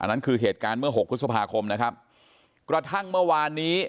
นั่นคือเหตุการณ์เมื่อหกพฤษภาคมนะครับกระทั่งเมื่อวานนี้